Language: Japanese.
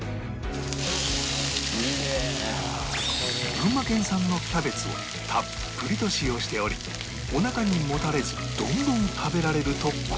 群馬県産のキャベツをたっぷりと使用しておりおなかにもたれずどんどん食べられると好評